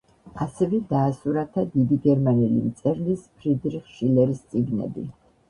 ასევე დაასურათა დიდი გერმანელი მწერლის ფრიდრიხ შილერის წიგნები.